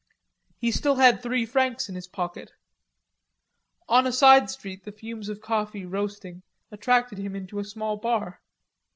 He still had three francs in his pocket. On a side street the fumes of coffee roasting attracted him into a small bar.